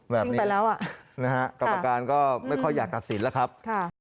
แบบนี้นะครับกรรมการก็ไม่ค่อยอยากกับสินละครับค่ะ